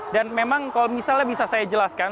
dan memang kalau misalnya bisa saya jelaskan